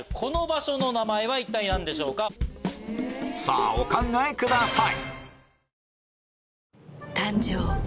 さぁお考えください